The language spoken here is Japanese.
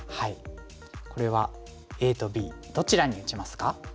これはＡとＢどちらに打ちますか？